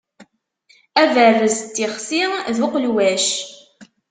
Aberrez d tixsi d uqelwac.